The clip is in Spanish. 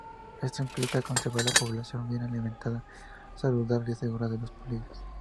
Esto implica conservar la población bien alimentada, saludable y segura de los peligros.